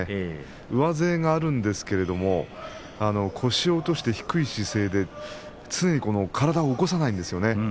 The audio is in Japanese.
上背があるんですけれど腰を落として、低い姿勢で常に体を起こさないんですよね。